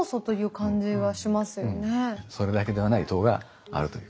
それだけではない糖があるという。